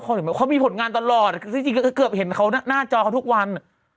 เขามีผลงานตลอดคือจริงก็เกือบเห็นเขาหน้าจอเขาทุกวัน